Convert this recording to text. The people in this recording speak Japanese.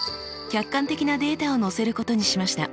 客観的なデータを載せることにしました。